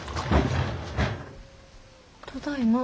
ただいま。